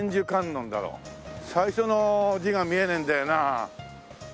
最初の字が見えねえんだよな。